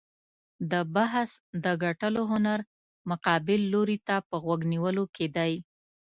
د بحث د ګټلو هنر مقابل لوري ته په غوږ نیولو کې دی.